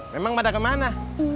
memang pada kemana